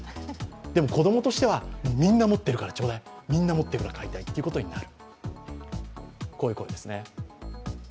でも子供としてはみんな持ってるからちょうだい、みんな持ってるから買いたいっていうことになる。